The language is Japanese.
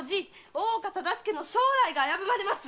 大岡忠相の将来が危ぶまれます！